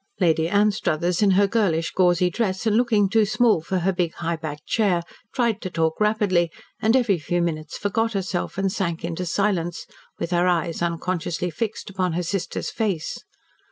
Lady Anstruthers in her girlish, gauzy dress and looking too small for her big, high backed chair tried to talk rapidly, and every few minutes forgot herself and sank into silence, with her eyes unconsciously fixed upon her sister's face.